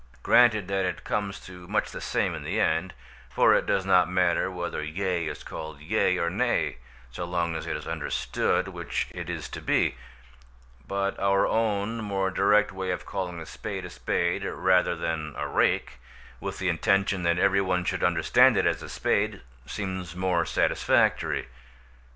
Granted that it comes to much the same in the end, for it does not matter whether "yea" is called "yea" or "nay," so long as it is understood which it is to be; but our own more direct way of calling a spade a spade, rather than a rake, with the intention that every one should understand it as a spade, seems more satisfactory.